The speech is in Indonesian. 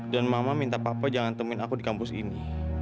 dan mama minta papa jangan temuin aku di kampus ini